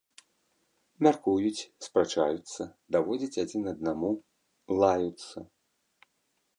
Мяркуюць, спрачаюцца, даводзяць адзін аднаму, лаюцца.